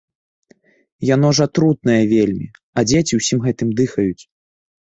Яно ж атрутнае вельмі, а дзеці ўсім гэтым дыхаюць.